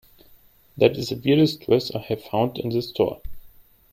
That is the weirdest dress I have found in this store.